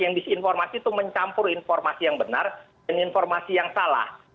yang disinformasi itu mencampur informasi yang benar dan informasi yang salah